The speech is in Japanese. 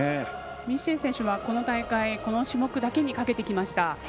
ミシェル選手はこの大会、この種目だけにかけてきました。